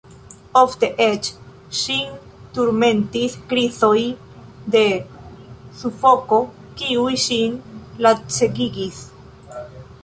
Ofte eĉ ŝin turmentis krizoj de sufoko, kiuj ŝin lacegigis.